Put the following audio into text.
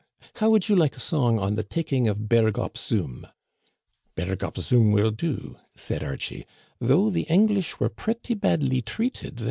How would you like a song on the taking of Berg op Zoom ?"Berg op Zoom will do," said Archie, " though the English were pretty badly treated there."